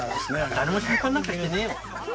誰も心配なんかしてねえよ。